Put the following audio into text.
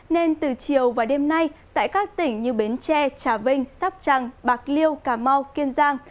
nên từ chiều và đêm nay tại các tỉnh như bến tre trà vinh sóc trăng bạc liêu cà mau kiên giang